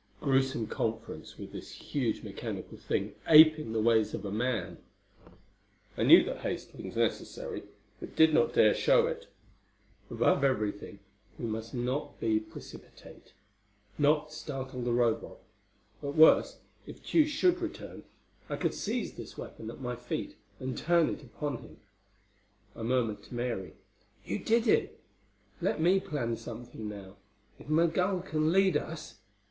Gruesome conference, with this huge mechanical thing apeing the ways of a man! I knew that haste was necessary, but did not dare show it. Above everything we must not be precipitate; not startle the Robot. At worst, if Tugh should return, I could seize this weapon at my feet and turn it upon him. I murmured to Mary. "You did it! Let me plan something, now. If Migul can lead us...."